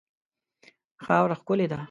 خاوره ښکلې ده.